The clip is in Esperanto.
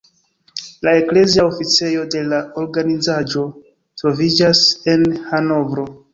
La eklezia oficejo de la organizaĵo troviĝas en Hanovro.